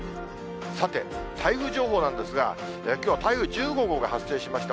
さて、台風情報なんですが、きょうは台風１５号が発生しました。